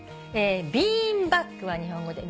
「ビーンバッグは日本語で」